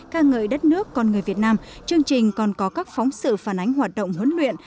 ca ngợi đất nước con người việt nam chương trình còn có các phóng sự phản ánh hoạt động huấn luyện